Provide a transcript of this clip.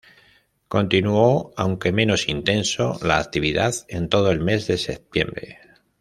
Continuó, aunque menos intenso, la actividad en todo el mes de septiembre.